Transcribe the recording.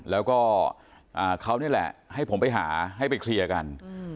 แล้วก็เขานี่แหละให้ผมไปหาให้ไปเคลียร์กัน